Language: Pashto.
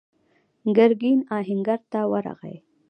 ګرګين آهنګر ته ورغی.